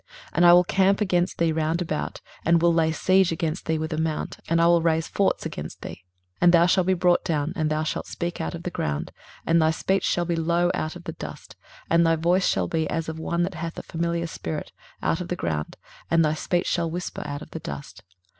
23:029:003 And I will camp against thee round about, and will lay siege against thee with a mount, and I will raise forts against thee. 23:029:004 And thou shalt be brought down, and shalt speak out of the ground, and thy speech shall be low out of the dust, and thy voice shall be, as of one that hath a familiar spirit, out of the ground, and thy speech shall whisper out of the dust.